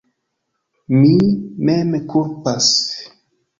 Mi mem kulpas.